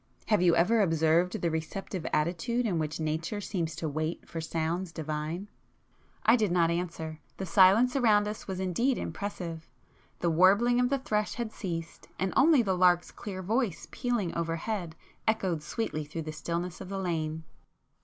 Have you ever observed the [p 219] receptive attitude in which Nature seems to wait for sounds divine!" I did not answer,—the silence around us was indeed impressive;—the warbling of the thrush had ceased, and only the lark's clear voice pealing over head, echoed sweetly through the stillness of the lane.